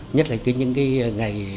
nhất là những ngày